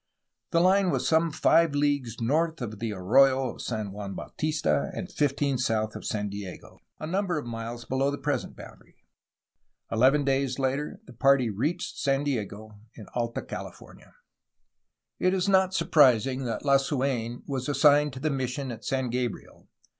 The line was some five leagues north of the arroyo of San Juan Bautista and fifteen south of San Diego, a number of miles below the present boundary. Eleven days later, the party reached San Diego in Alta Cahfornia. It is not surprising that Lasuen was assigned to the mis sion at San Gabriel.